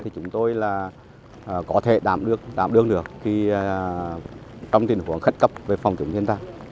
chúng tôi có thể đảm được trong tình huống khất cấp về phòng chống thiên tạc